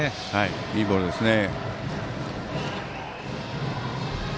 いいボールですね。